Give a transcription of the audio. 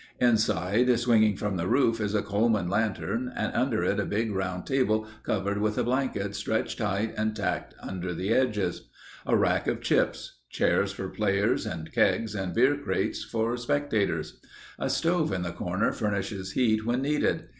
Inside, swinging from the roof is a Coleman lantern and under it a big round table covered with a blanket stretched tight and tacked under the edges. A rack of chips. Chairs for players and kegs and beer crates for spectators. A stove in the corner furnishes heat when needed.